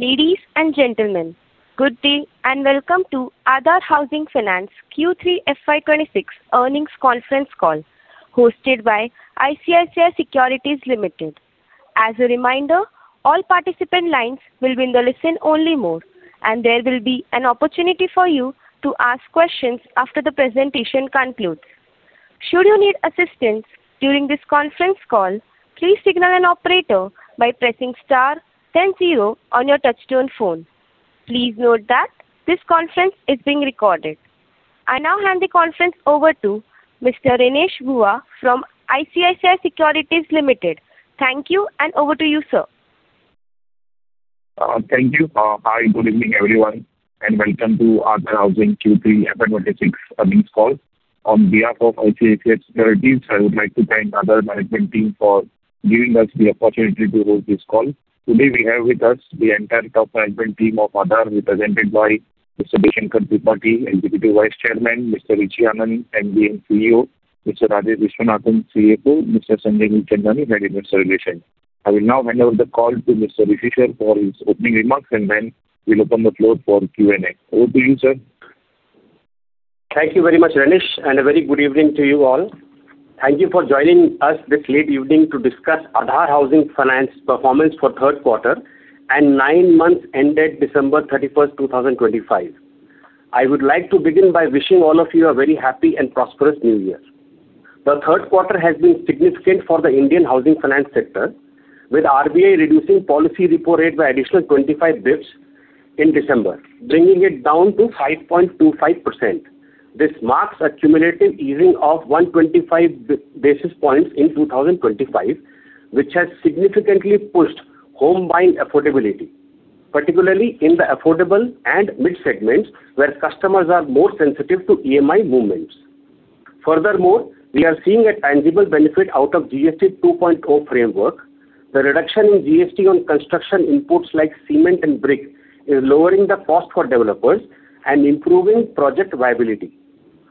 Ladies and gentlemen, good day, and welcome to Aadhar Housing Finance Q3 FY 2026 Earnings Conference Call, hosted by ICICI Securities Limited. As a reminder, all participant lines will be in the listen-only mode, and there will be an opportunity for you to ask questions after the presentation concludes. Should you need assistance during this conference call, please signal an operator by pressing star then zero on your touchtone phone. Please note that this conference is being recorded. I now hand the conference over to Mr. Renish Bhuva from ICICI Securities Limited. Thank you, and over to you, sir. Thank you. Hi, good evening, everyone, and welcome to Aadhar Housing Q3 FY 2026 earnings call. On behalf of ICICI Securities, I would like to thank Aadhar management team for giving us the opportunity to host this call. Today, we have with us the entire top management team of Aadhar, represented by Mr. Deo Shankar Tripathi, Executive Vice Chairman; Mr. Rishi Anand, MD and CEO; Mr. Rajesh Viswanathan, CFO; Mr. Sanjay Mulchandani, Investor Relations. I will now hand over the call to Mr. Rishi Anand for his opening remarks, and then we'll open the floor for Q&A. Over to you, sir. Thank you very much, Renish, and a very good evening to you all. Thank you for joining us this late evening to discuss Aadhar Housing Finance performance for third quarter and nine months ended December 31st, 2025. I would like to begin by wishing all of you a very happy and prosperous New Year. The third quarter has been significant for the Indian housing finance sector, with RBI reducing policy repo rate by additional 25 basis points in December, bringing it down to 5.25%. This marks a cumulative easing of 125 basis points in 2025, which has significantly pushed home buying affordability, particularly in the affordable and mid segments, where customers are more sensitive to EMI movements. Furthermore, we are seeing a tangible benefit out of GST 2.0 framework. The reduction in GST on construction inputs, like cement and brick, is lowering the cost for developers and improving project viability.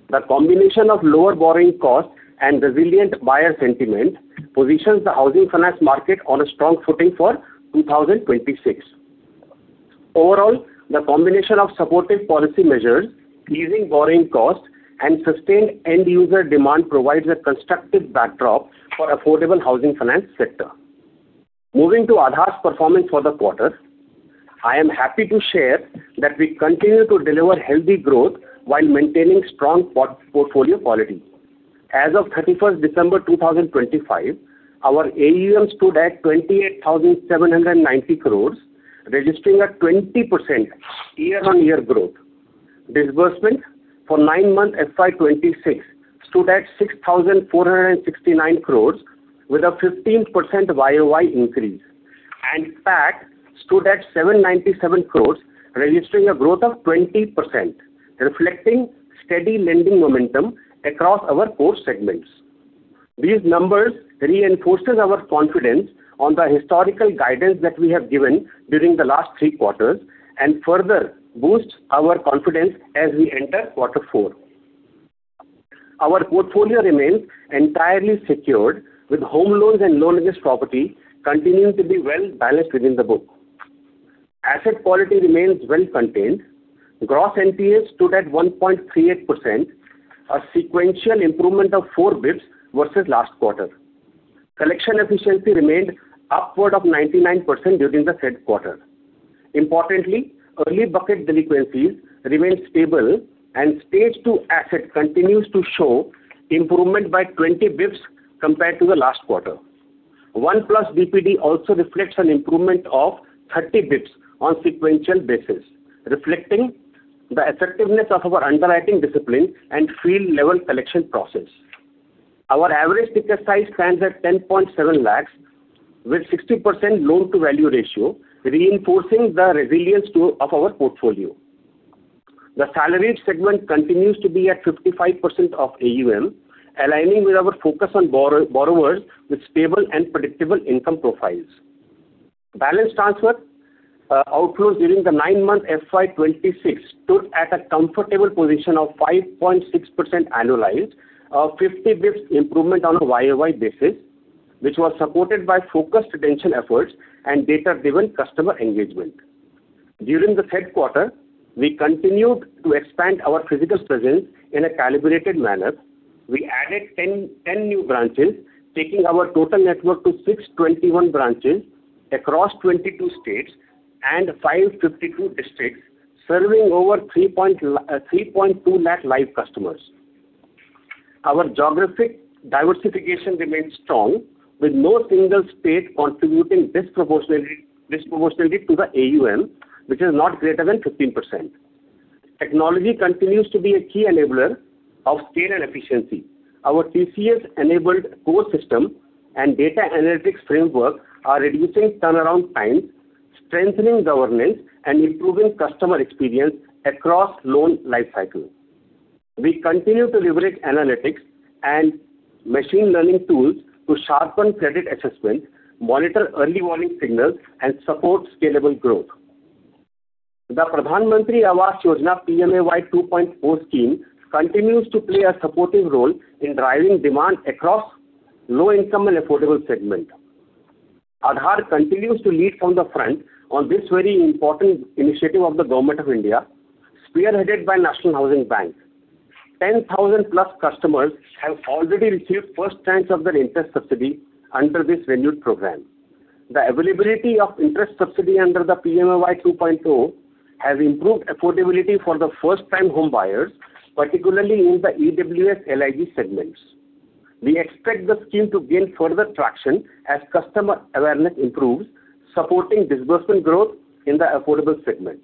The combination of lower borrowing costs and resilient buyer sentiment positions the housing finance market on a strong footing for 2026. Overall, the combination of supportive policy measures, easing borrowing costs, and sustained end-user demand provides a constructive backdrop for affordable housing finance sector. Moving to Aadhar's performance for the quarter, I am happy to share that we continue to deliver healthy growth while maintaining strong portfolio quality. As of December 31st, 2025, our AUM stood at 28,790 crores, registering a 20% year-on-year growth. Disbursement for nine months, FY 2026, stood at 6,469 crores, with a 15% YoY increase, and PAT stood at 797 crores, registering a growth of 20%, reflecting steady lending momentum across our core segments. These numbers reinforces our confidence on the historical guidance that we have given during the last three quarters and further boosts our confidence as we enter quarter four. Our portfolio remains entirely secured, with home loans and loan against property continuing to be well-balanced within the book. Asset quality remains well contained. Gross NPA stood at 1.38%, a sequential improvement of four basis points versus last quarter. Collection efficiency remained upward of 99% during the third quarter. Importantly, early bucket delinquencies remained stable, and stage two asset continues to show improvement by 20 basis points compared to the last quarter. 1+ DPD also reflects an improvement of 30 basis points on sequential basis, reflecting the effectiveness of our underwriting discipline and field-level collection process. Our average ticket size stands at 10.7 lakhs, with 60% loan-to-value ratio, reinforcing the resilience of our portfolio. The salaried segment continues to be at 55% of AUM, aligning with our focus on borrowers with stable and predictable income profiles. Balance transfer outflows during the nine-month FY 2026 stood at a comfortable position of 5.6% annualized, a 50 basis points improvement on a YoY basis, which was supported by focused retention efforts and data-driven customer engagement. During the third quarter, we continued to expand our physical presence in a calibrated manner. We added 10 new branches, taking our total network to 621 branches across 22 states and 552 districts, serving over 3.2 lakh live customers. Our geographic diversification remains strong, with no single state contributing disproportionately to the AUM, which is not greater than 15%. Technology continues to be a key enabler of scale and efficiency. Our TCS-enabled core system and data analytics framework are reducing turnaround times, strengthening governance, and improving customer experience across loan lifecycle. We continue to leverage analytics and machine learning tools to sharpen credit assessment, monitor early warning signals, and support scalable growth. The Pradhan Mantri Awas Yojana, PMAY 2.0 scheme, continues to play a supportive role in driving demand across low income and affordable segment. Aadhar continues to lead from the front on this very important initiative of the Government of India, spearheaded by National Housing Bank. 10,000+ customers have already received first tranche of their interest subsidy under this renewed program. The availability of interest subsidy under the PMAY 2.0 has improved affordability for the first-time home buyers, particularly in the EWS/LIG segments. We expect the scheme to gain further traction as customer awareness improves, supporting disbursement growth in the affordable segment.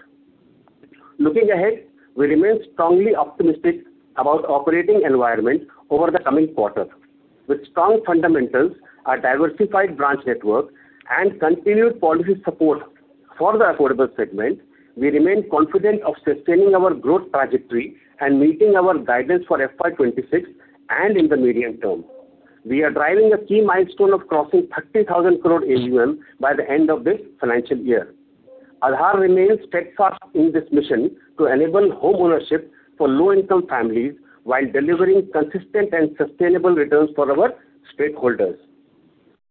Looking ahead, we remain strongly optimistic about operating environment over the coming quarter. With strong fundamentals, our diversified branch network, and continued policy support for the affordable segment, we remain confident of sustaining our growth trajectory and meeting our guidance for FY 2026, and in the medium term. We are driving a key milestone of crossing 30,000 crore AUM by the end of this financial year. Aadhar remains steadfast in this mission to enable homeownership for low-income families, while delivering consistent and sustainable returns for our stakeholders.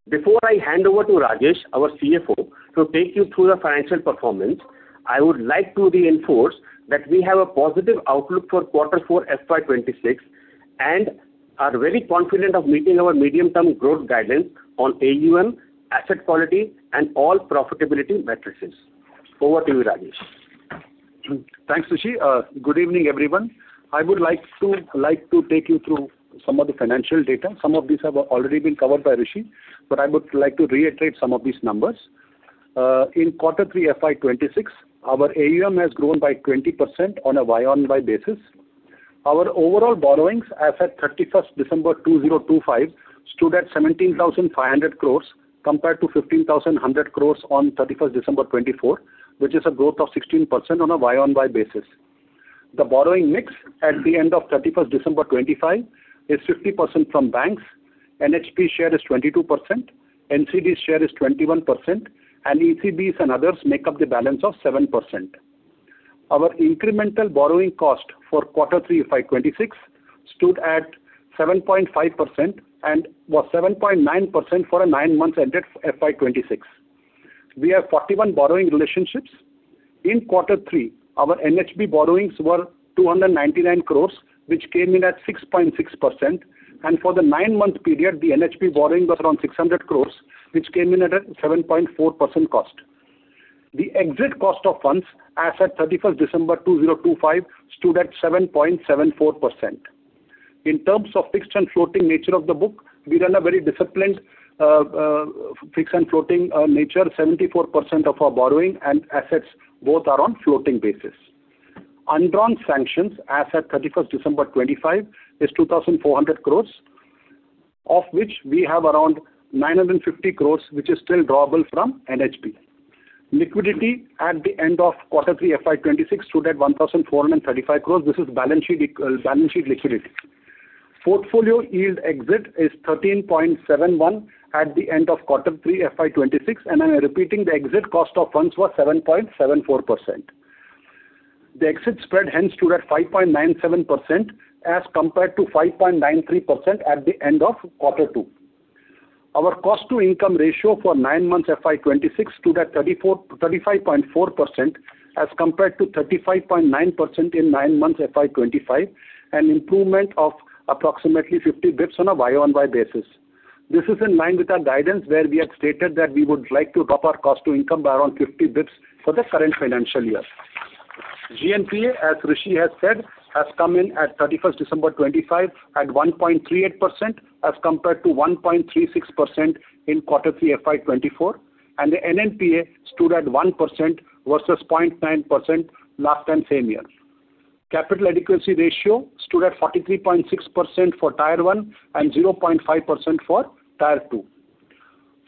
Before I hand over to Rajesh, our CFO, to take you through the financial performance, I would like to reinforce that we have a positive outlook for quarter four, FY 2026, and are very confident of meeting our medium-term growth guidance on AUM, asset quality, and all profitability metrics. Over to you, Rajesh. Thanks, Rishi. Good evening, everyone. I would like to take you through some of the financial data. Some of these have already been covered by Rishi, but I would like to reiterate some of these numbers. In quarter three, FY 2026, our AUM has grown by 20% on a YoY basis. Our overall borrowings, as at 31 December 2025, stood at 17,500 crore, compared to 15,100 crore on 31 December 2024, which is a growth of 16% on a YoY basis. The borrowing mix at the end of 31 December 2025, is 50% from banks, NHB share is 22%, NCD share is 21%, and ECBs and others make up the balance of 7%. Our incremental borrowing cost for quarter three, FY 2026, stood at 7.5%, and was 7.9% for a nine months ended FY 2026. We have 41 borrowing relationships. In quarter three, our NHB borrowings were 299 crore, which came in at 6.6%, and for the nine-month period, the NHB borrowing was around 600 crore, which came in at a 7.4% cost. The exit cost of funds, as at 31 December 2025, stood at 7.74%. In terms of fixed and floating nature of the book, we run a very disciplined, fixed and floating, nature. 74% of our borrowing and assets both are on floating basis. Undrawn sanctions, as at 31 December 2025, is 2,400 crore, of which we have around 950 crore, which is still drawable from NHB. Liquidity at the end of quarter three, FY 2026, stood at 1,435 crore. This is balance sheet liquidity. Portfolio yield exit is 13.71 at the end of quarter three, FY 2026, and I'm repeating, the exit cost of funds was 7.74%. The exit spread, hence, stood at 5.97%, as compared to 5.93% at the end of quarter two. Our cost-to-income ratio for nine months, FY 2026, stood at 35.4%, as compared to 35.9% in nine months, FY 2025, an improvement of approximately 50 bps on a YoY basis. This is in line with our guidance, where we had stated that we would like to drop our cost-to-income by around 50 bps for the current financial year. GNPA, as Rishi has said, has come in at 31 December 2025, at 1.38%, as compared to 1.36% in quarter three, FY 2024, and the NNPA stood at 1% versus 0.9% last and same year. Capital adequacy ratio stood at 43.6% for Tier 1, and 0.5% for Tier 2.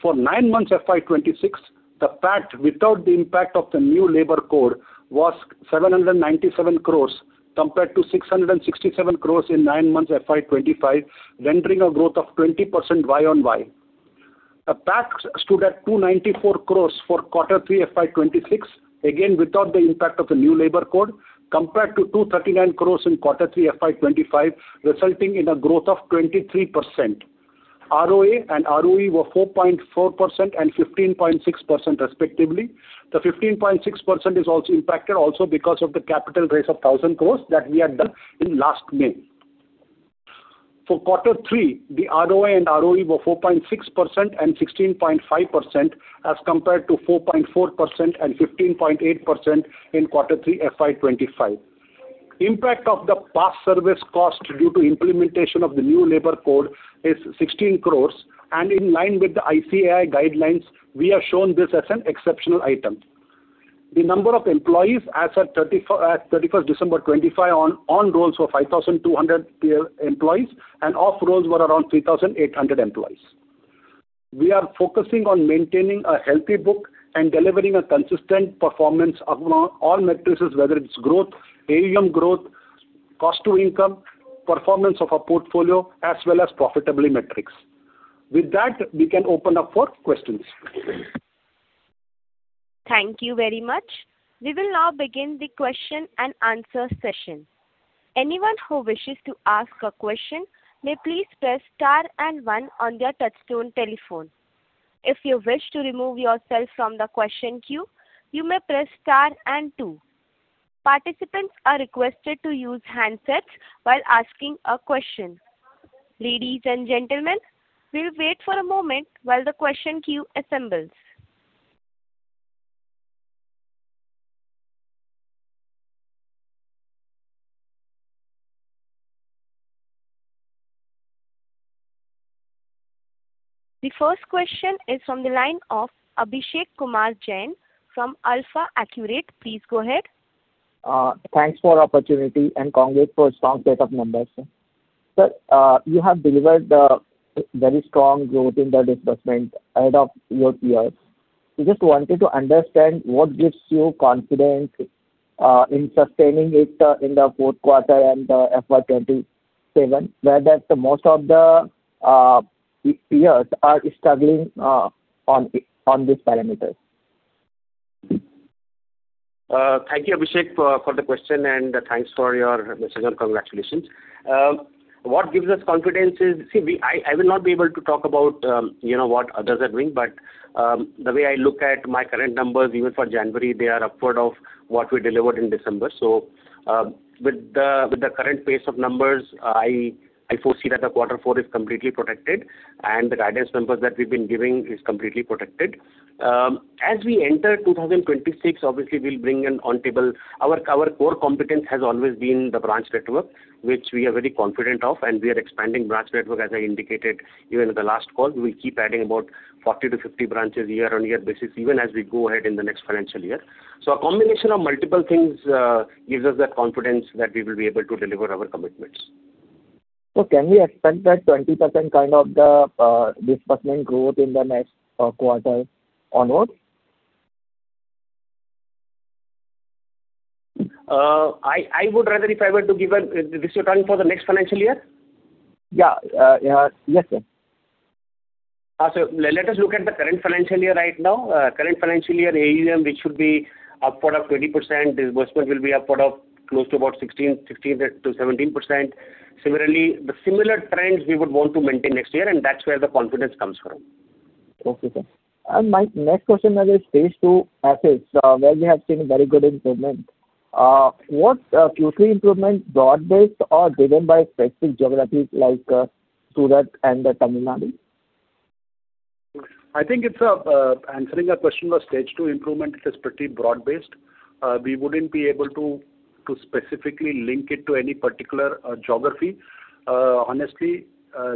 For nine months, FY 2026, the PAT, without the impact of the new labor code, was 797 crore, compared to 667 crore in nine months, FY 2025, rendering a growth of 20% YoY. EPAC stood at 294 crore for quarter three, FY 2026, again, without the impact of the new labor code, compared to 239 crore in quarter three, FY 2025, resulting in a growth of 23%. ROA and ROE were 4.4% and 15.6% respectively. The 15.6% is also impacted, also because of the capital raise of 1,000 crore that we had done in last May. For quarter three, the ROA and ROE were 4.6% and 16.5%, as compared to 4.4% and 15.8% in quarter three, FY 2025. Impact of the past service cost due to implementation of the new labor code is 16 crore, and in line with the ICAI guidelines, we have shown this as an exceptional item. The number of employees, as at 31st December 2025 on rolls, were 5,200 employees, and off rolls were around 3,800 employees. We are focusing on maintaining a healthy book and delivering a consistent performance among all metrics, whether it's growth, AUM growth, cost to income, performance of our portfolio, as well as profitability metrics. With that, we can open up for questions. Thank you very much. We will now begin the question and answer session. Anyone who wishes to ask a question, may please press star and one on their touchtone telephone. If you wish to remove yourself from the question queue, you may press star and two. Participants are requested to use handsets while asking a question. Ladies and gentlemen, we'll wait for a moment while the question queue assembles. The first question is from the line of Abhishek Kumar Jain from AlfAccurate. Please go ahead. Thanks for opportunity, and congrats for a strong set of numbers. Sir, you have delivered a very strong growth in the disbursement ahead of your peers. We just wanted to understand what gives you confidence in sustaining it in the fourth quarter and FY 2027, where most of the peers are struggling on these parameters? Thank you, Abhishek, for the question, and thanks for your wishes and congratulations. What gives us confidence is... See, I will not be able to talk about, you know, what others are doing, but, the way I look at my current numbers, even for January, they are upward of what we delivered in December. So, with the current pace of numbers, I foresee that quarter four is completely protected, and the guidance numbers that we've been giving is completely protected. As we enter 2026, obviously, we'll bring in on table our core competence has always been the branch network, which we are very confident of, and we are expanding branch network, as I indicated even in the last call. We will keep adding about 40-50 branches year-on-year basis, even as we go ahead in the next financial year. So a combination of multiple things, gives us the confidence that we will be able to deliver our commitments. So can we expect that 20% kind of the disbursement growth in the next quarter onwards? I would rather if I were to give a, this return for the next financial year? Yeah, yes, sir. So, let us look at the current financial year right now. Current financial year, AUM, which should be upward of 20%, disbursement will be upward of close to about 16, 16%-17%. Similarly, the similar trends we would want to maintain next year, and that's where the confidence comes from. Okay, sir. My next question is Stage 2 assets, where we have seen a very good improvement. What future improvement, broad-based or driven by specific geographies like Surat and Tamil Nadu? I think it's answering your question about stage two improvement, it is pretty broad-based. We wouldn't be able to specifically link it to any particular geography. Honestly,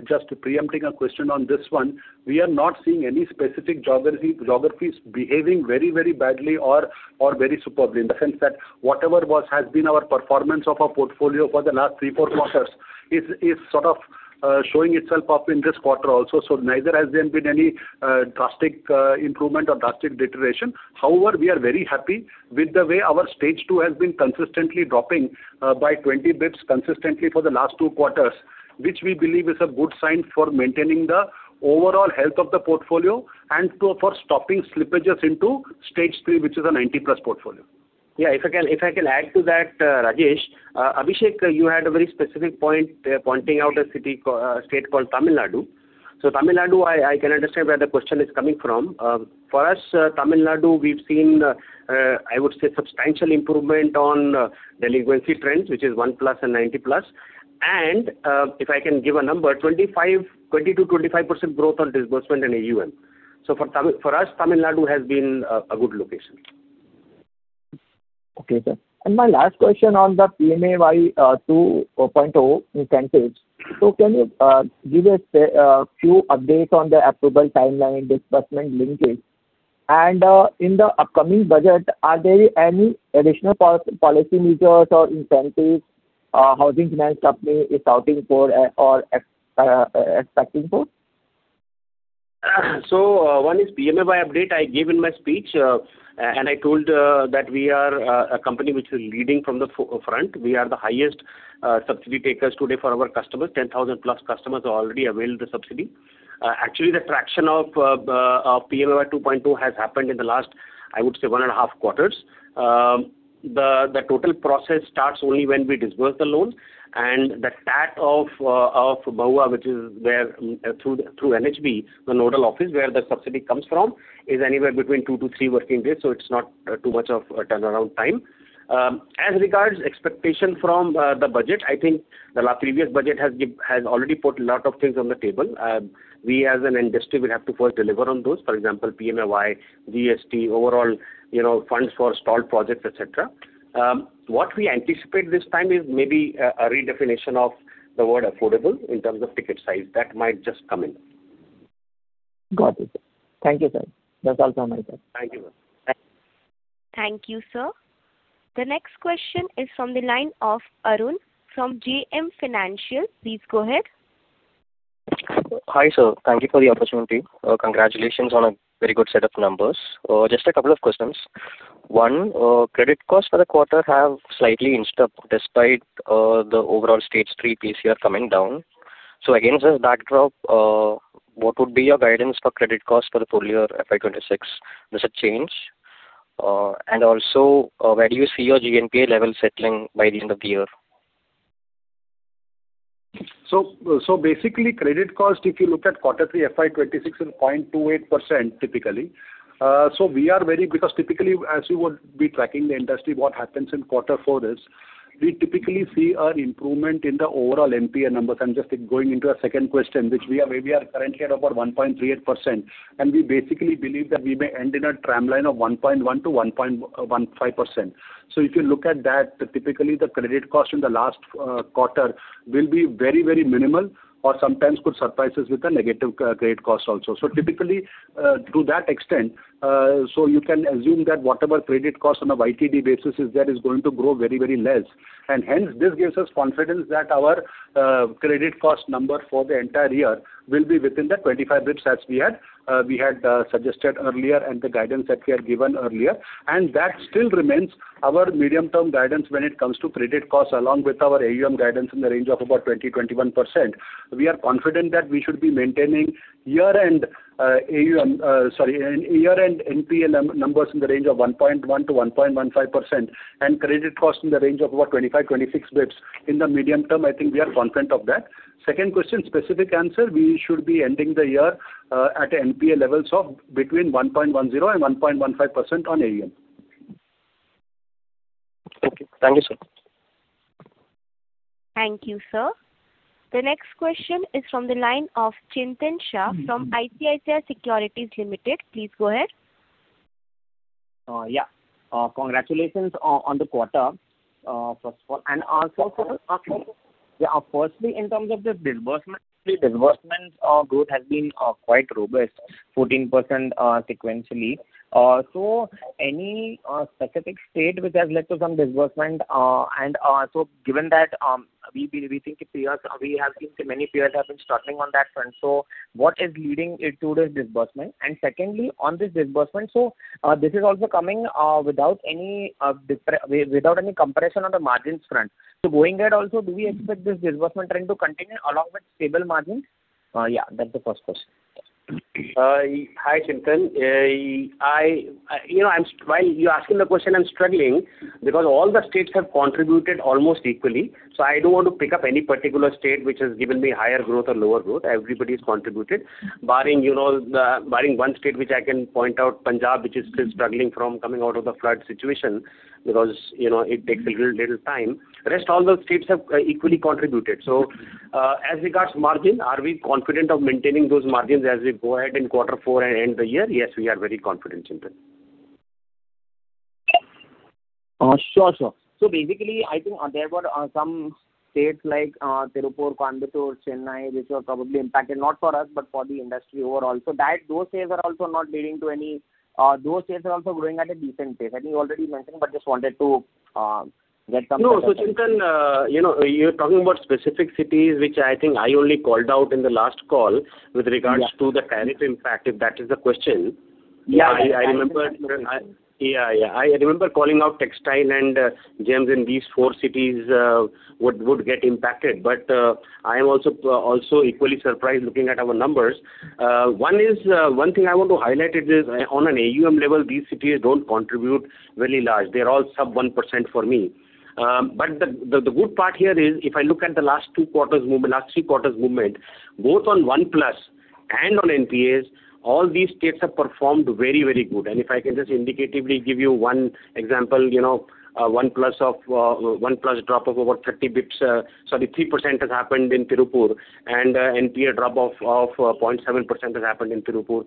just preempting a question on this one, we are not seeing any specific geography, geographies behaving very, very badly or very superbly, in the sense that whatever was, has been our performance of our portfolio for the last three, four quarters, is sort of showing itself up in this quarter also. So neither has there been any drastic improvement or drastic deterioration. However, we are very happy with the way our Stage 2 has been consistently dropping by 20 basis points consistently for the last two quarters, which we believe is a good sign for maintaining the overall health of the portfolio and to, for stopping slippages into Stage 3, which is a 90-plus portfolio. Yeah, if I can add to that, Rajesh, Abhishek, you had a very specific point pointing out a state called Tamil Nadu. So Tamil Nadu, I can understand where the question is coming from. For us, Tamil Nadu, we've seen I would say, substantial improvement on delinquency trends, which is 1+ and 90+. And if I can give a number, 20 to 25% growth on disbursement and AUM. So for us, Tamil Nadu has been a good location. Okay, sir. And my last question on the PMAY 2.0 incentives. So can you give us few updates on the approval timeline, disbursement linkage? And, in the upcoming budget, are there any additional policy measures or incentives Housing Finance Company is looking for or expecting for? So, one is PMAY update I gave in my speech, and I told that we are a company which is leading from the front. We are the highest subsidy takers today for our customers. 10,000 plus customers have already availed the subsidy. Actually, the traction of PMAY 2.0 has happened in the last, I would say, one and a half quarters. The total process starts only when we disburse the loans, and the TAT of MoHUA, which is where through NHB, the nodal office, where the subsidy comes from, is anywhere between two-three working days, so it's not too much of a turnaround time. As regards expectation from the budget, I think the last previous budget has already put a lot of things on the table. We, as an industry, will have to first deliver on those. For example, PMAY, GST, overall, you know, funds for stalled projects, et cetera. What we anticipate this time is maybe a redefinition of the word affordable in terms of ticket size. That might just come in. Got it. Thank you, sir. That's all from my side. Thank you. Thank you, sir. The next question is from the line of Arun from JM Financial. Please go ahead. Hi, sir. Thank you for the opportunity. Congratulations on a very good set of numbers. Just a couple of questions. One, credit costs for the quarter have slightly inched up, despite the overall Stage 3 PCR coming down. So against this backdrop, what would be your guidance for credit cost for the full year, FY 2026? Does it change? And also, where do you see your GNPA level settling by the end of the year? So, so basically, credit cost, if you look at quarter three, FY 2026 is 0.28%, typically. So we are very- because typically, as you would be tracking the industry, what happens in quarter four is, we typically see an improvement in the overall NPA numbers. I'm just going into a second question, which we are, we are currently at about 1.38%, and we basically believe that we may end in a tramline of 1.1%-1.15%. So if you look at that, typically, the credit cost in the last quarter will be very, very minimal or sometimes could surprise us with a negative credit cost also. So typically, to that extent, so you can assume that whatever credit cost on a YTD basis is there, is going to grow very, very less. And hence, this gives us confidence that our credit cost number for the entire year will be within the 25 basis points, as we had suggested earlier and the guidance that we had given earlier. And that still remains our medium-term guidance when it comes to credit costs, along with our AUM guidance in the range of about 20%-21%. We are confident that we should be maintaining year-end AUM, sorry, year-end NPA numbers in the range of 1.1%-1.15%, and credit costs in the range of about 25-26 basis points. In the medium term, I think we are confident of that. Second question, specific answer, we should be ending the year at NPA levels of between 1.10% and 1.15% on AUM. Thank you. Thank you, sir. Thank you, sir. The next question is from the line of Chintan Shah from ICICI Securities Limited. Please go ahead. Yeah. Congratulations on the quarter, first of all. And also, sir, yeah, firstly, in terms of the disbursement, the disbursement growth has been quite robust, 14% sequentially. So any specific state which has led to some disbursement? And so given that, we think peers, we have seen many peers have been struggling on that front. So what is leading it to this disbursement? And secondly, on this disbursement, so this is also coming without any compression on the margins front. So going ahead also, do we expect this disbursement trend to continue along with stable margins? Yeah, that's the first question. Hi, Chintan. You know, I'm struggling while you're asking the question, because all the states have contributed almost equally. So I don't want to pick up any particular state which has given me higher growth or lower growth. Everybody's contributed. Barring one state, you know, which I can point out, Punjab, which is still struggling from coming out of the flood situation, because it takes a little time. Rest, all the states have equally contributed. So, as regards margin, are we confident of maintaining those margins as we go ahead in quarter four and end the year? Yes, we are very confident, Chintan. Sure, sure. So basically, I think, there were some states like Tirupur, Coimbatore, Chennai, which were probably impacted, not for us, but for the industry overall. So those states are also growing at a decent pace. I think you already mentioned, but just wanted to get some- No. So, Chintan, you know, you're talking about specific cities, which I think I only called out in the last call with regards- Yeah. to the tariff impact, if that is the question? Yeah. I remember... Yeah, yeah. I remember calling out textile and gems in these four cities would get impacted. But I am also equally surprised looking at our numbers. One thing I want to highlight is, on an AUM level, these cities don't contribute very large. They're all sub 1% for me. But the good part here is, if I look at the last two quarters movement, last three quarters movement, both on OnePlus and on NPAs, all these states have performed very, very good. And if I can just indicatively give you one example, you know, OnePlus drop of over 30 bps, sorry, 3% has happened in Tirupur, and NPA drop of 0.7% has happened in Tirupur.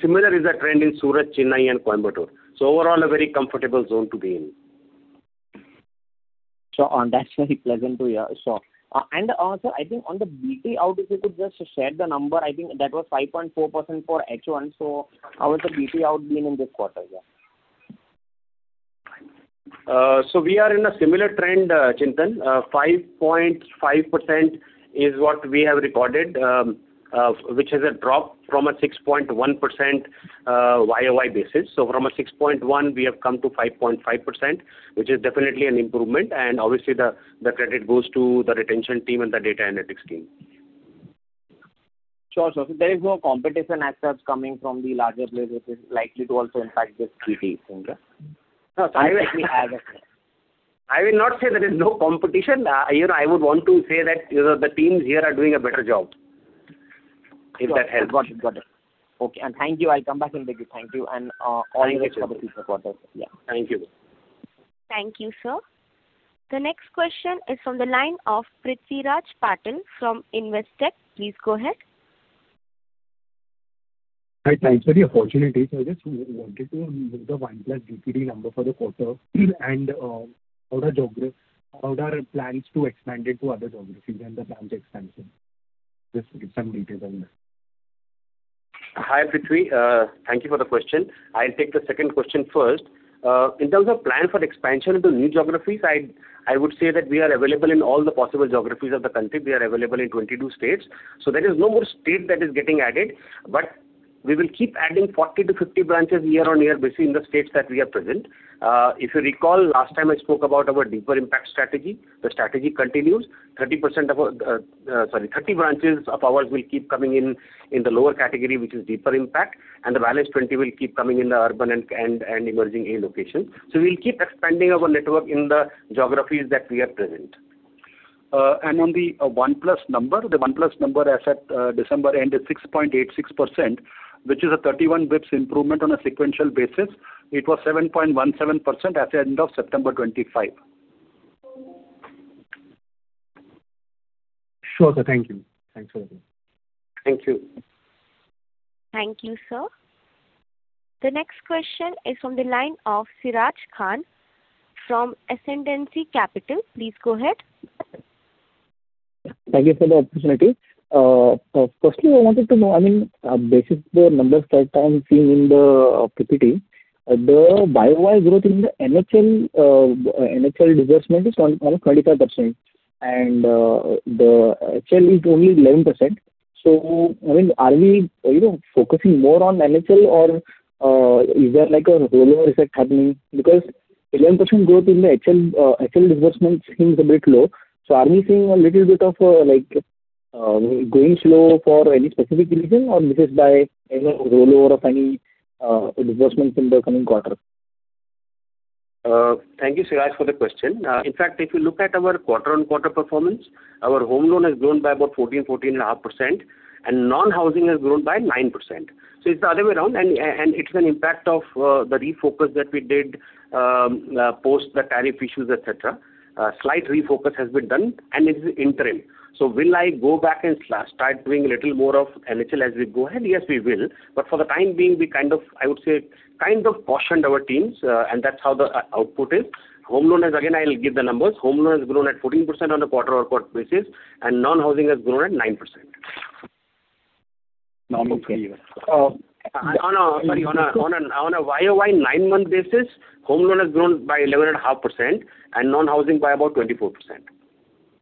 Similar is the trend in Surat, Chennai and Coimbatore. Overall, a very comfortable zone to be in. Sure, and that's very pleasant to hear. Sure. Sir, I think on the BT out, if you could just share the number. I think that was 5.4% for H1. So how is the BT out being in this quarter? Yeah. We are in a similar trend, Chintan. 5.5% is what we have recorded, which is a drop from a 6.1%, YoY basis. From a 6.1, we have come to 5.5%, which is definitely an improvement, and obviously the credit goes to the retention team and the data analytics team. Sure, sure. So there is no competition as such coming from the larger players, which is likely to also impact this GT, isn't it? I will not say there is no competition. You know, I would want to say that, you know, the teams here are doing a better job, if that helps. Got it. Got it. Okay, and thank you. I'll come back and thank you. Thank you, and all the best for the future quarters. Yeah. Thank you. Thank you, sir. The next question is from the line of Prithviraj Patil from Investec. Please go ahead. Hi, thanks for the opportunity. So I just wanted to know the 1+ DPD number for the quarter, and how are plans to expand it to other geographies and the branch expansion? Just give some details on that. Hi, Prithvi. Thank you for the question. I'll take the second question first. In terms of plan for expansion into new geographies, I, I would say that we are available in all the possible geographies of the country. We are available in 22 states, so there is no more state that is getting added. But we will keep adding 40-50 branches year-on-year, basically, in the states that we are present. If you recall, last time I spoke about our deeper impact strategy, the strategy continues. 30% of, sorry, 30 branches of ours will keep coming in, in the lower category, which is deeper impact, and the balance 20 will keep coming in the urban and, and, and emerging A location. So we'll keep expanding our network in the geographies that we are present. On the 1+ number, the 1+ number as at December end is 6.86%, which is a 31 basis points improvement on a sequential basis. It was 7.17% at the end of September 2025. Sure, sir. Thank you. Thanks a lot. Thank you. Thank you, sir. The next question is from the line of Siraj Khan from Ascendancy Capital. Please go ahead. Thank you for the opportunity. Firstly, I wanted to know, I mean, basis the numbers that I'm seeing in the, PPT, the YoY growth in the NHL, NHL disbursement is around 25%, and the HL is only 11%. So, I mean, are we, you know, focusing more on NHL or is there like a rollover effect happening? Because 11% growth in the HL, HL disbursement seems a bit low. So are we seeing a little bit of, like, going slow for any specific reason, or this is by, you know, rollover of any disbursement in the coming quarter? Thank you, Siraj, for the question. In fact, if you look at our quarter-over-quarter performance, our home loan has grown by about 14, 14.5%, and non-housing has grown by 9%. So it's the other way around, and, and it's an impact of the refocus that we did post the tariff issues, et cetera. A slight refocus has been done, and it's interim. So will I go back and start doing a little more of NHL as we go ahead? Yes, we will. But for the time being, we kind of, I would say, kind of cautioned our teams, and that's how the output is. Home loan is, again, I'll give the numbers. Home loan has grown at 14% on a quarter-over-quarter basis, and non-housing has grown at 9%. Okay. Uh- On a YoY 9-month basis, home loan has grown by 11.5%, and non-housing by about 24%.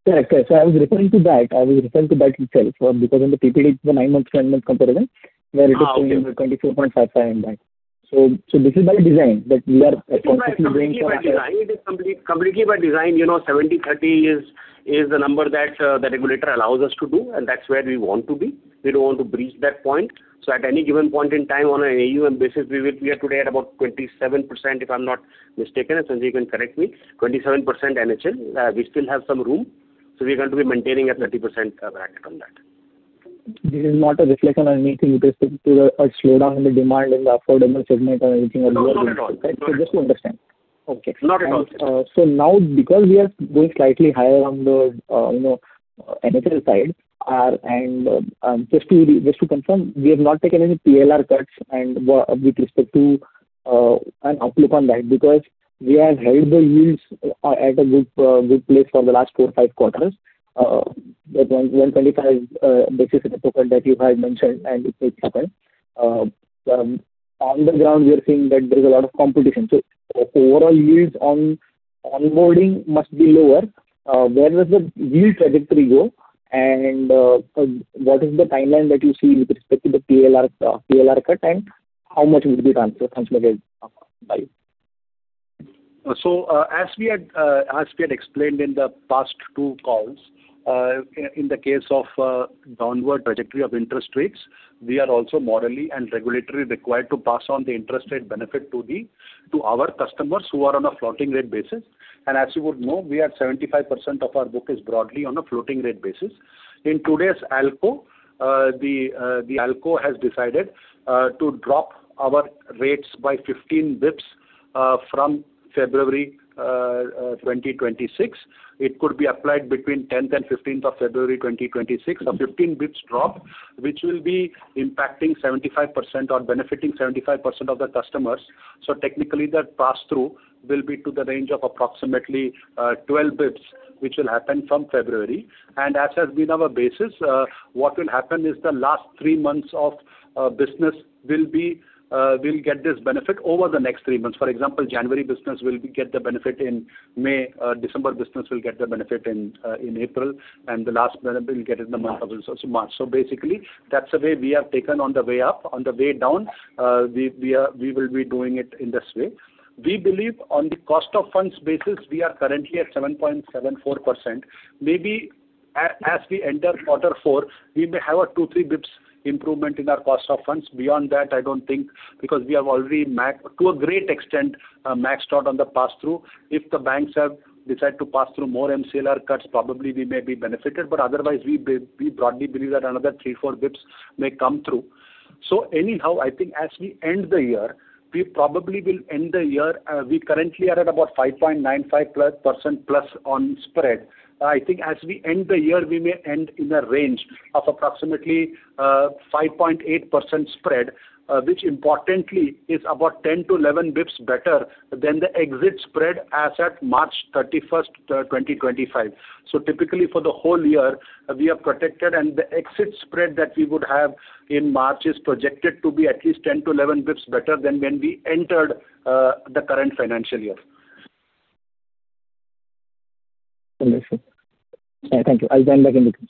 Correct. So I was referring to that. I was referring to that itself, because in the PPT, the nine-month, nine-month comparable, where it is 22.55 and back. So, so this is by design, that we are consciously doing something. It is completely by design. You know, 70/30 is the number that the regulator allows us to do, and that's where we want to be. We don't want to breach that point. So at any given point in time, on an AUM basis, we will—we are today at about 27%, if I'm not mistaken. Sanjay, you can correct me. 27% NHL. We still have some room, so we're going to be maintaining a 30%, act on that. This is not a reflection on anything with respect to a slowdown in the demand in the affordable segment or anything like that? No, not at all. Just to understand. Okay. Not at all, sir. So now, because we are going slightly higher on the, you know, NHL side, and just to confirm, we have not taken any PLR cuts and with respect to an outlook on that, because we have held the yields at a good, good place for the last four, five quarters. That 125 basis that you had mentioned, and it will happen. On the ground, we are seeing that there is a lot of competition. So overall yields on onboarding must be lower. Where does the yield trajectory go, and what is the timeline that you see with respect to the PLR, PLR cut, and how much will be transferred, transmitted by you? So, as we had explained in the past 2 calls, in the case of downward trajectory of interest rates, we are also morally and regulatory required to pass on the interest rate benefit to the, to our customers who are on a floating rate basis. And as you would know, we are 75% of our book is broadly on a floating rate basis. In today's ALCO, the ALCO has decided to drop our rates by 15 bps, from February 2026. It could be applied between 10th and 15th of February 2026. A 15 bps drop, which will be impacting 75% or benefiting 75% of the customers. So technically, that pass-through will be to the range of approximately 12 bps, which will happen from February. As has been our basis, what will happen is the last three months of business will get this benefit over the next three months. For example, January business will get the benefit in May, December business will get the benefit in April, and the last benefit will get in the month of March. So basically, that's the way we have taken on the way up. On the way down, we will be doing it in this way. We believe on the cost of funds basis, we are currently at 7.74%. Maybe as we enter quarter four, we may have a two-three basis points improvement in our cost of funds. Beyond that, I don't think, because we have already maxed out on the pass-through, to a great extent. If the banks have decided to pass through more MCLR cuts, probably we may be benefited, but otherwise, we broadly believe that another 3-4 bps may come through. So anyhow, I think as we end the year, we probably will end the year, we currently are at about 5.95%+ on spread. I think as we end the year, we may end in a range of approximately, 5.8% spread, which importantly is about 10-11 bps better than the exit spread as at March 31, 2025. So typically, for the whole year, we are protected, and the exit spread that we would have in March is projected to be at least 10-11 bps better than when we entered, the current financial year. Thank you. I'll join back in the queue.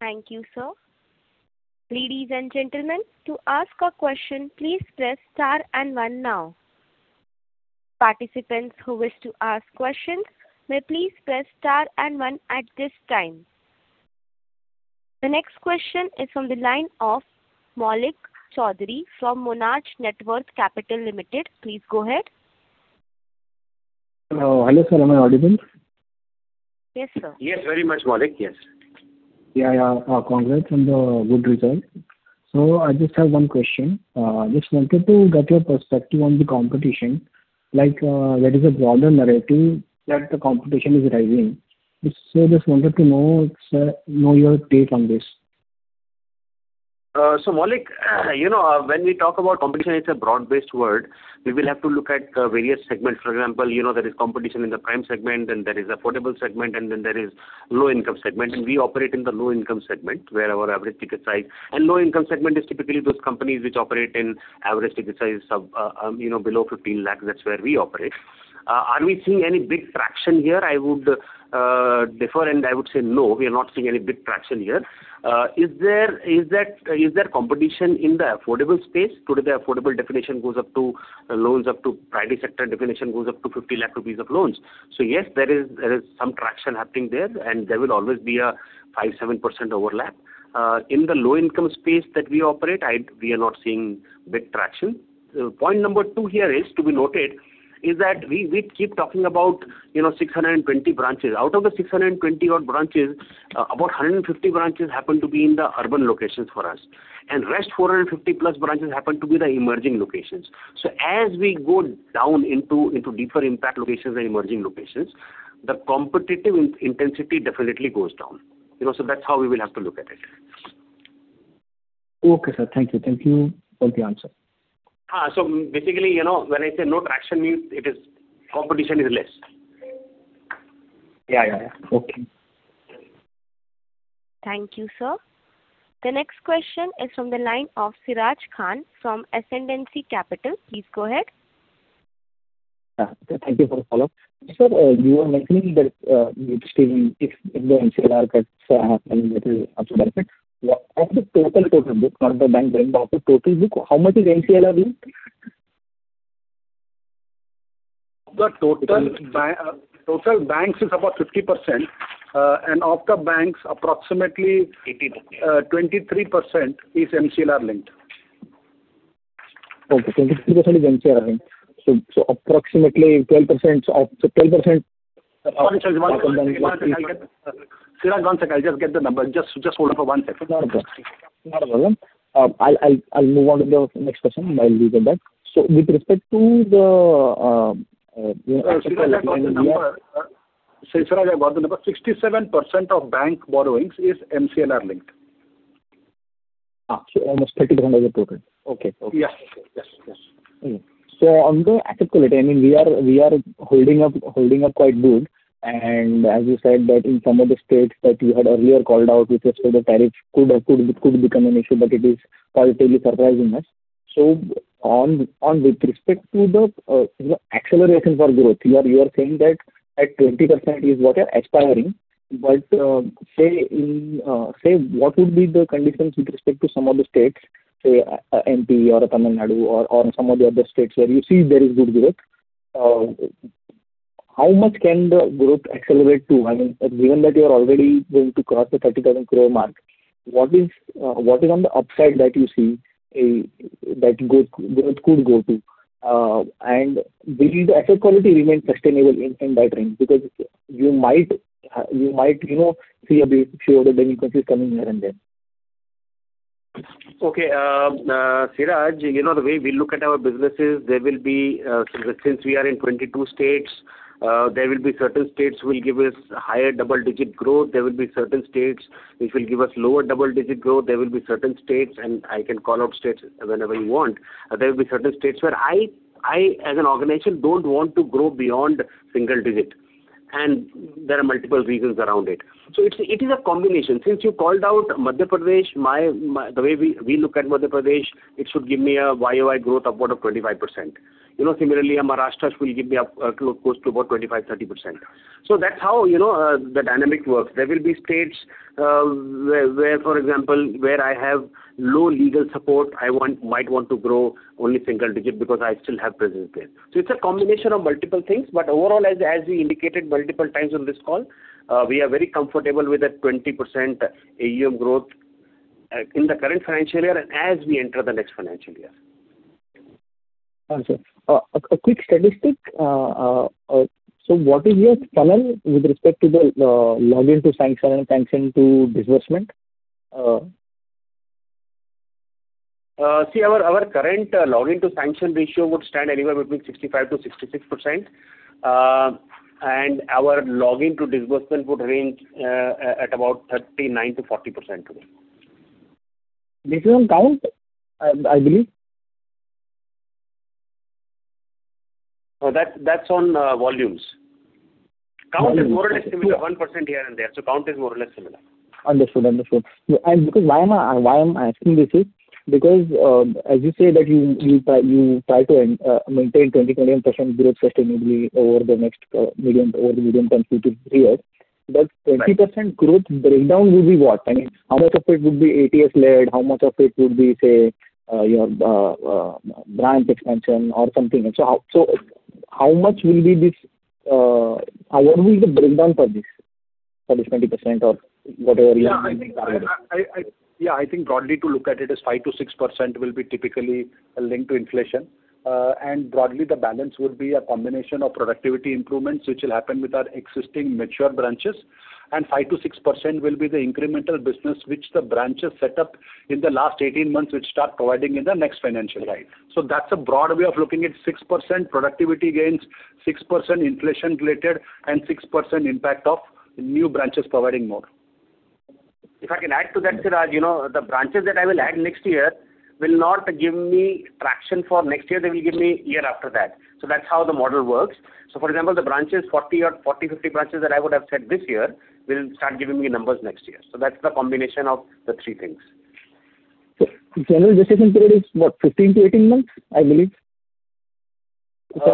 Thank you, sir. Ladies and gentlemen, to ask a question, please press star and one now. Participants who wish to ask questions may please press star and one at this time. The next question is from the line of Maulik Chaudhari from Monarch Networth Capital Limited. Please go ahead. Hello. Hello, sir, am I audible? Yes, sir. Yes, very much, Maulik, yes. Yeah, yeah, congrats on the good result. So I just have one question. Just wanted to get your perspective on the competition, like, where is the broader narrative that the competition is rising? So just wanted to know, sir, know your take on this. So Maulik, you know, when we talk about competition, it's a broad-based word. We will have to look at various segments. For example, you know, there is competition in the prime segment, and there is affordable segment, and then there is low-income segment. And we operate in the low-income segment, where our average ticket size... And low-income segment is typically those companies which operate in average ticket size of, you know, below 15 lakhs, that's where we operate. Are we seeing any big traction here? I would defer, and I would say no, we are not seeing any big traction here. Is there competition in the affordable space? Today, the affordable definition goes up to loans up to, private sector definition goes up to 50 lakh rupees of loans. So, yes, there is some traction happening there, and there will always be a 5%-7% overlap. In the low-income space that we operate, we are not seeing big traction. Point number two here is, to be noted, is that we keep talking about, you know, 620 branches. Out of the 620-odd branches, about 150 branches happen to be in the urban locations for us, and rest 450-plus branches happen to be the emerging locations. So as we go down into deeper impact locations and emerging locations, the competitive intensity definitely goes down. You know, so that's how we will have to look at it. Okay, sir. Thank you. Thank you for the answer. So basically, you know, when I say no traction means it is competition is less. Yeah, yeah, yeah. Okay. Thank you, sir. The next question is from the line of Siraj Khan from Ascendancy Capital. Please go ahead. Thank you for the follow-up. Sir, you were mentioning that, you're still, if, if the MCLR cuts happen, it will also benefit. Of the total, total book, not the bank, but of the total book, how much is MCLR linked? The total banks is about 50%, and of the banks, approximately- 80%. 23% is MCLR linked. Okay, 23% is MCLR linked. So, approximately 12%, so 12% of- One second, one second. One second, I'll get the... Siraj, one second, I'll just get the number. Just, just hold on for one second. Not a problem. I'll move on to the next question, and I'll leave it at that. So with respect to the, you know- Siraj, I got the number. Siraj, I got the number. 67% of bank borrowings is MCLR linked. Ah, so almost 30,000 is total. Okay. Okay. Yes. Yes, yes. Okay. So on the asset quality, I mean, we are, we are holding up, holding up quite good. And as you said that in some of the states that you had earlier called out, you just said the tariffs could, could, could become an issue, but it is positively surprising us. So on, on with respect to the, you know, acceleration for growth, you are, you are saying that at 20% is what are expiring. But, say, in, say, what would be the conditions with respect to some of the states, say, MP or Tamil Nadu or, or some of the other states where you see there is good growth? How much can the growth accelerate to? I mean, given that you are already going to cross the 30,000 crore mark, what is on the upside that you see is... that growth could go to? And will the asset quality remain sustainable in that range? Because you might, you might, you know, see a bit, few of the delinquencies coming here and there. Okay. Siraj, you know, the way we look at our businesses, there will be, since we are in 22 states, there will be certain states who will give us higher double-digit growth. There will be certain states which will give us lower double-digit growth. There will be certain states, and I can call out states whenever you want. There will be certain states where I, as an organization, don't want to grow beyond single digit, and there are multiple reasons around it. So it's, it is a combination. Since you called out Madhya Pradesh, my. The way we look at Madhya Pradesh, it should give me a YoY growth of about 25%. You know, similarly, a Maharashtra will give me up, close to about 25-30%. So that's how, you know, the dynamic works. There will be states where, for example, where I have low legal support, I want—might want to grow only single digit because I still have presence there. So it's a combination of multiple things, but overall, as we indicated multiple times on this call, we are very comfortable with a 20% AUM growth in the current financial year and as we enter the next financial year. Sir, a quick statistic. So what is your funnel with respect to the login to sanction and sanction to disbursement? See, our current login to sanction ratio would stand anywhere between 65%-66%. And our login to disbursement would range about 39%-40% today. This is on count, I believe? Oh, that's, that's on volumes. Count is more or less similar, 1% here and there, so count is more or less similar. Understood, understood. And because why am I, why am I asking this is because, as you say that you, you try, you try to maintain 20, 20% growth sustainably over the next, over the medium term two-three years. But 20% growth breakdown will be what? I mean, how much of it would be ATS led? How much of it would be, say, your, branch expansion or something? And so, how, so how much will be this, what will be the breakdown for this, for this 20% or whatever you have? Yeah, I think broadly, to look at it, as 5%-6% will be typically linked to inflation. And broadly, the balance will be a combination of productivity improvements, which will happen with our existing mature branches. And 5%-6% will be the incremental business which the branches set up in the last 18 months, which start providing in the next financial year. Right. So that's a broad way of looking at 6% productivity gains, 6% inflation related, and 6% impact of new branches providing more. If I can add to that, Siraj, you know, the branches that I will add next year will not give me traction for next year, they will give me year after that. So that's how the model works. So for example, the branches, 40 or 40, 50 branches that I would have set this year, will start giving me numbers next year. So that's the combination of the three things. General decision period is what? 15-18 months, I believe? Yes,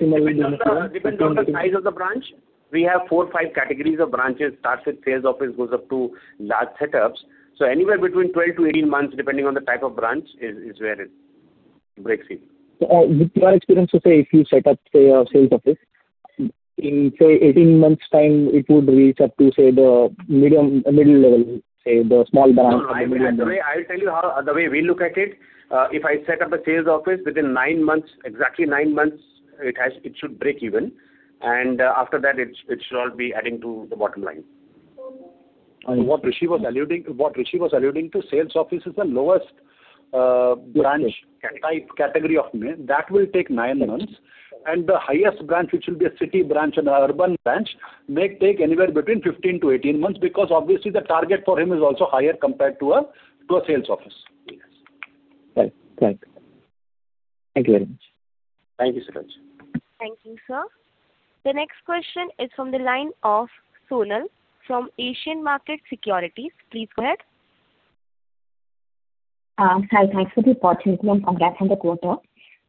depends on the, depends on the size of the branch. We have four, five categories of branches, starts with sales office, goes up to large setups. So anywhere between 12-18 months, depending on the type of branch, is where it breaks in. So, with your experience, so say, if you set up, say, a sales office, in, say, 18 months' time, it would reach up to, say, the medium, middle level, say, the small branch? No, I will tell you how, the way we look at it, if I set up a sales office within nine months, exactly nine months, it has- it should break even, and, after that, it, it should all be adding to the bottom line. Understood. What Rishi was alluding, what Rishi was alluding to, sales office is the lowest, branch type category of... That will take nine months, and the highest branch, which will be a city branch and an urban branch, may take anywhere between 15-18 months, because obviously the target for him is also higher compared to a, to a sales office. Yes. Right. Right. Thank you very much. Thank you, Siraj. Thank you, sir. The next question is from the line of Sonal from Asian Markets Securities. Please go ahead. Hi, thanks for the opportunity and congrats on the quarter.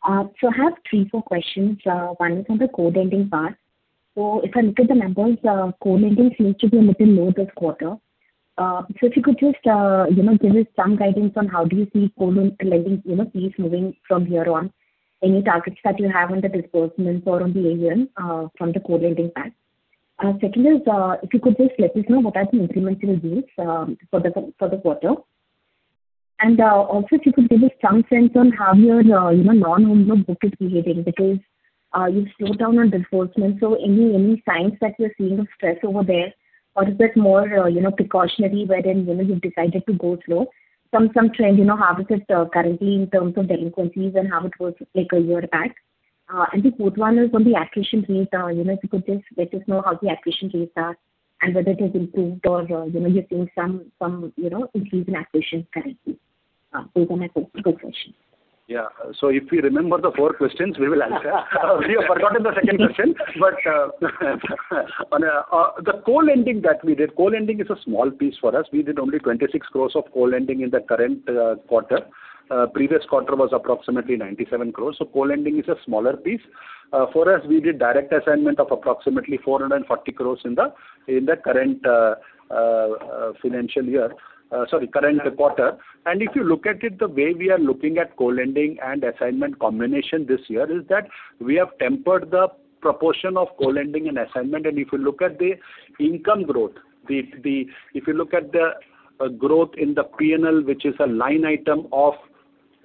So I have three-four questions. One is on the co-lending part. So if I look at the numbers, co-lending seems to be a little low this quarter. So if you could just, you know, give us some guidance on how do you see co-lending, you know, fees moving from here on, any targets that you have on the disbursements or on the AUM, from the co-lending part. Second is, if you could just let us know what are the incremental yields, for the quarter. Also, if you could give us some sense on how your, you know, non-home loan book is behaving, because you've slowed down on disbursements, so any signs that you're seeing of stress over there, or is this more, you know, precautionary, wherein, you know, you've decided to go slow? Some trend, you know, how it is currently in terms of delinquencies and how it was like a year back. And the fourth one is on the acquisition rates, you know, if you could just let us know how the acquisition rates are and whether it has improved or, you know, you're seeing some increase in acquisition currently. Those are my four quick questions. Yeah. So if we remember the four questions, we will answer. We have forgotten the second question, but on the co-lending that we did, co-lending is a small piece for us. We did only 26 crore of co-lending in the current quarter. Previous quarter was approximately 97 crore. So co-lending is a smaller piece. For us, we did direct assignment of approximately 440 crore in the current financial year, sorry, current quarter. And if you look at it, the way we are looking at co-lending and assignment combination this year is that we have tempered the proportion of co-lending and assignment. And if you look at the income growth, the... If you look at the growth in the P&L, which is a line item of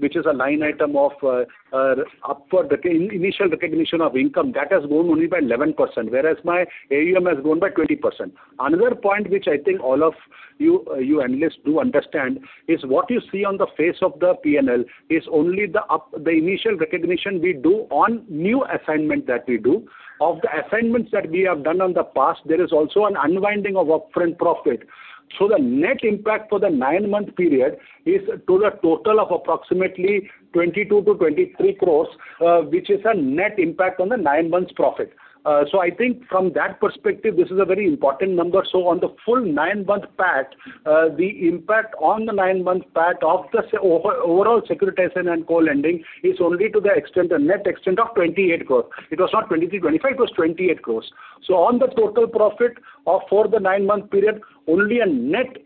upfront for the initial recognition of income, that has grown only by 11%, whereas my AUM has grown by 20%. Another point, which I think all of you analysts do understand, is what you see on the face of the P&L is only the upfront initial recognition we do on new assignment that we do. Of the assignments that we have done in the past, there is also an unwinding of upfront profit. So the net impact for the nine-month period is to the total of approximately 22-23 crore, which is a net impact on the nine months' profit. So I think from that perspective, this is a very important number. So on the full nine-month PAT, the impact on the nine-month PAT of the overall securitization and co-lending is only to the extent, the net extent of 28 crore. It was not 23, 25, it was 28 crore. So on the total profit of, for the nine-month period, only a net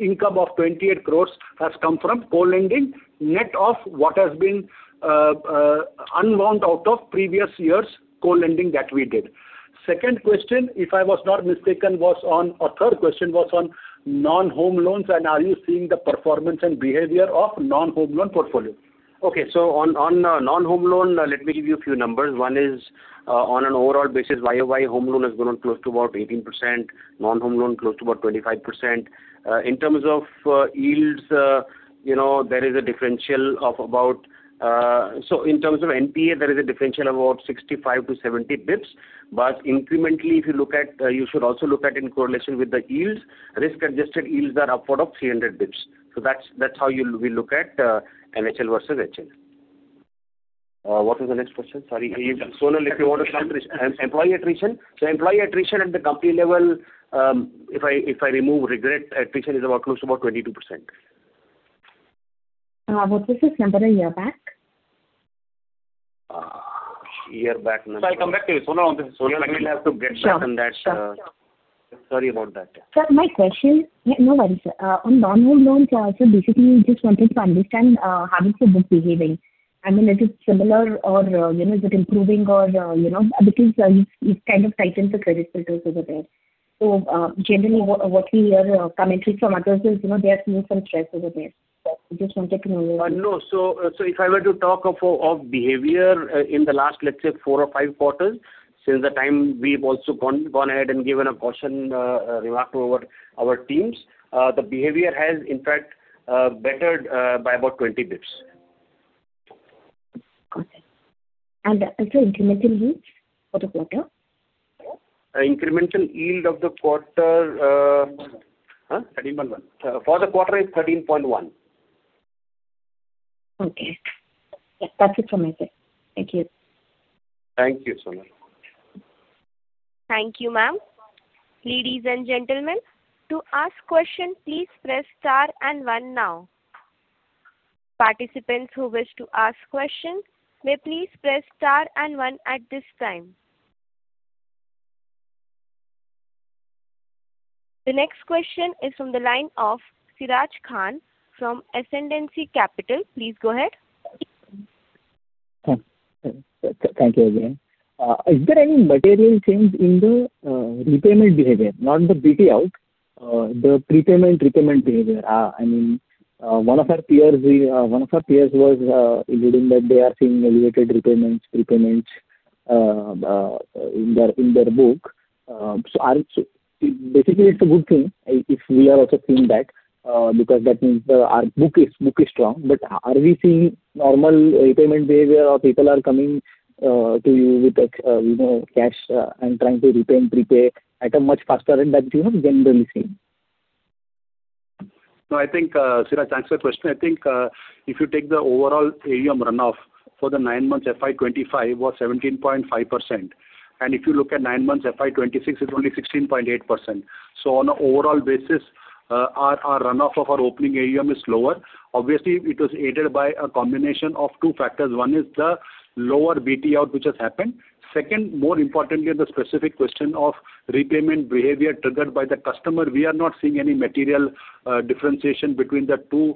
income of 28 crore has come from co-lending, net of what has been, unwound out of previous years' co-lending that we did. Second question, if I was not mistaken, was on... or third question, was on non-home loans, and are you seeing the performance and behavior of non-home loan portfolio? Okay. So on non-home loan, let me give you a few numbers. One is on an overall basis, YoY, home loan has grown close to about 18%, non-home loan, close to about 25%. In terms of yields, you know, there is a differential of about. So in terms of NPA, there is a differential of about 65-70 basis points. But incrementally, if you look at, you should also look at in correlation with the yields. Risk-adjusted yields are upward of 300 basis points. So that's how we look at NHL versus HL. What was the next question? Sorry, Sonal, if you want to come. Employee attrition? So employee attrition at the company level, if I, if I remove regret, attrition is about close to about 22%. What was this number a year back? Year back number. So I come back to you, Sonal, on this. We have to get back on that. Sure, sure. Sorry about that. Sir, my question, no worries, sir. On non-housing loans, so basically just wanted to understand how is the book behaving? I mean, is it similar or, you know, is it improving or, you know, because you've kind of tightened the credit filters over there. So, generally, what we hear, commentary from others is, you know, they are seeing some stress over there. So just wanted to know. No. So, if I were to talk of behavior in the last, let's say, four or five quarters, since the time we've also gone ahead and given a caution remark to our teams, the behavior has in fact bettered by about 20 basis points. Got it. And also incremental yield for the quarter? Incremental yield of the quarter, huh? 13.1. For the quarter is 13.1. Okay. That's it from my side. Thank you. Thank you, Sonal. Thank you, ma'am. Ladies and gentlemen, to ask question, please press star and one now. Participants who wish to ask questions may please press star and one at this time. The next question is from the line of Siraj Khan from Ascendancy Capital. Please go ahead. Thank you again. Is there any material change in the repayment behavior? Not the BT out, the prepayment, repayment behavior. I mean, one of our peers was alluding that they are seeing elevated repayments, prepayments in their book. So basically, it's a good thing if we are also seeing that, because that means our book is strong, but are we seeing normal repayment behavior or people are coming to you with a you know, cash and trying to repay and prepay at a much faster than you know, generally seen? No, I think, Siraj, thanks for the question. I think, if you take the overall AUM runoff for the nine months, FY 2025 was 17.5%, and if you look at nine months, FY 2026, it's only 16.8%. So on an overall basis, our runoff of our opening AUM is lower. Obviously, it was aided by a combination of two factors. One is the lower BT out, which has happened. Second, more importantly, on the specific question of repayment behavior triggered by the customer, we are not seeing any material differentiation between the two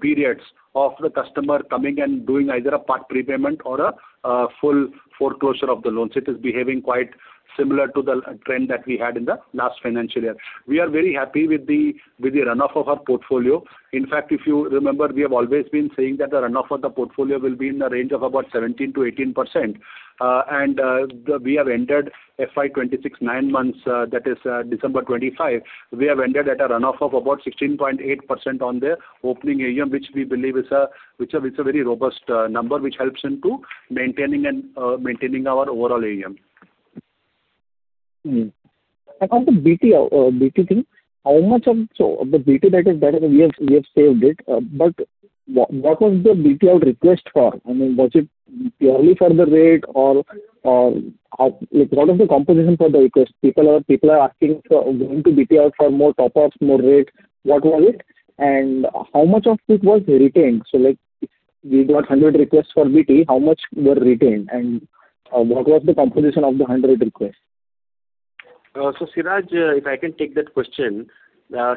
periods of the customer coming and doing either a part prepayment or a full foreclosure of the loans. It is behaving quite similar to the trend that we had in the last financial year. We are very happy with the, with the runoff of our portfolio. In fact, if you remember, we have always been saying that the runoff of the portfolio will be in the range of about 17%-18%. We have entered FY 2026, nine months, that is, December 2025. We have entered at a runoff of about 16.8% on the opening AUM, which we believe is a, which is a very robust, number, which helps into maintaining and, maintaining our overall AUM. And on the BT out, BT thing, how much of, so the BT that is better than we have, we have saved it, but what, what was the BT out request for? I mean, was it purely for the rate or, like, what was the composition for the request? People are, people are asking for, going to BT out for more top-ups, more rate. What was it, and how much of it was retained? So, like, we got 100 requests for BT. How much were retained, and, what was the composition of the 100 requests? So, Siraj, if I can take that question.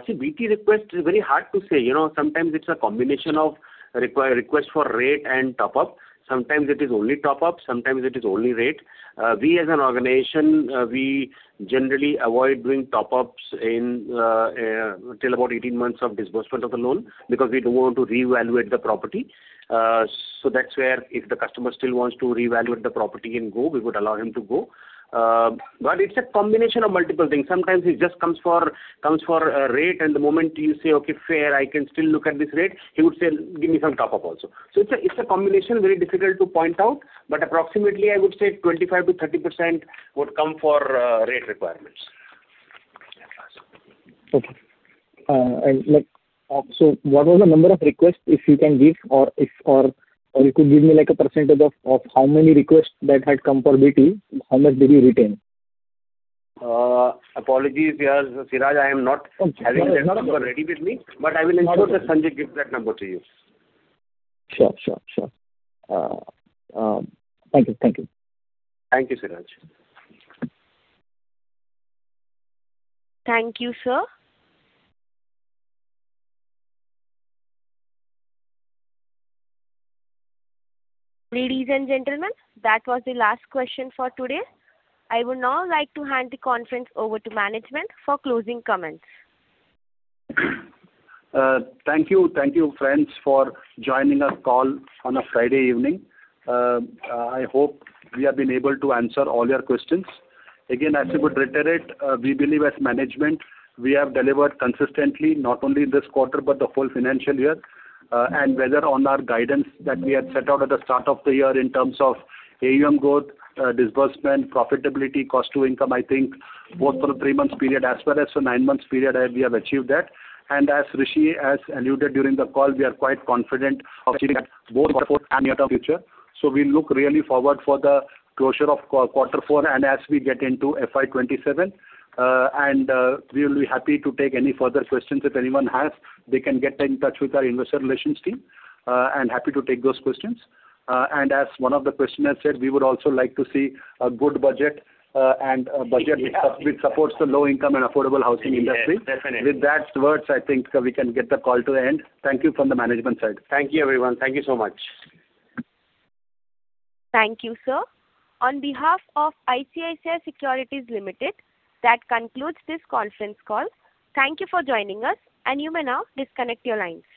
See, BT request is very hard to say. You know, sometimes it's a combination of request for rate and top-up. Sometimes it is only top-up, sometimes it is only rate. We as an organization, we generally avoid doing top-ups in till about 18 months of disbursement of the loan, because we don't want to reevaluate the property. So that's where if the customer still wants to reevaluate the property and go, we would allow him to go. But it's a combination of multiple things. Sometimes he just comes for rate, and the moment you say: "Okay, fair, I can still look at this rate," he would say: "Give me some top-up also." So it's a combination, very difficult to point out, but approximately, I would say 25%-30% would come for rate requirements. Okay. And like, so what was the number of requests, if you can give, or if you could give me, like, a percentage of how many requests that had come for BT? How much did you retain? Apologies here, Siraj. I am not- Okay. Having that number ready with me, but I will ensure that Sanjay gives that number to you. Sure, sure, sure. Thank you. Thank you. Thank you, Siraj. Thank you, sir. Ladies and gentlemen, that was the last question for today. I would now like to hand the conference over to management for closing comments. Thank you. Thank you, friends, for joining us on the call on a Friday evening. I hope we have been able to answer all your questions. Again, I should reiterate, we believe as management, we have delivered consistently, not only this quarter, but the whole financial year. And we are on our guidance that we had set out at the start of the year in terms of AUM growth, disbursement, profitability, cost to income. I think both for the three months period as well as the nine months period, we have achieved that. And as Rishi has alluded during the call, we are quite confident of achieving that both quarter four and near-term future. So we look really forward to the closure of quarter four and as we get into FY 2027. And, we will be happy to take any further questions if anyone has. They can get in touch with our investor relations team, and happy to take those questions. And as one of the questioners said, we would also like to see a good budget, and a budget, yeah, which supports the low income and affordable housing industry. Yes, definitely. With those words, I think we can get the call to end. Thank you from the management side. Thank you, everyone. Thank you so much. Thank you, sir. On behalf of ICICI Securities Limited, that concludes this conference call. Thank you for joining us, and you may now disconnect your lines.